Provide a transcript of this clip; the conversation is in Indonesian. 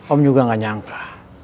om juga ga nyangka